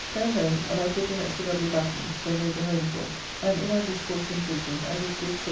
So home, and I put in at Sir W. Batten's, where Major Holmes was, and in our discourse and drinking I did give Sir J.